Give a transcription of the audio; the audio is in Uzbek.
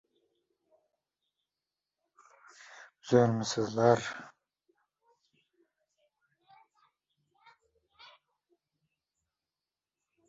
o‘g‘ling ham haqiqiy chavandoz bo‘lib yetishadi.